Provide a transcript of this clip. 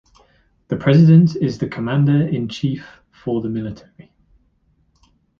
The president is the commander in chief for the military.